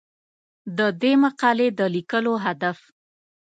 د دې مقالې د لیکلو هدف